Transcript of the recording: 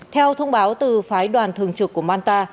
theo thông báo từ phái đoàn thường trực của manta